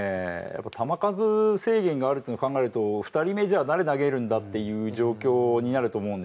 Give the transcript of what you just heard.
球数制限があるっていうのを考えると２人目じゃあ誰投げるんだっていう状況になると思うんですよ。